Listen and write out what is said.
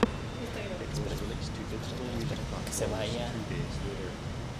It was released to digital music platforms two days later.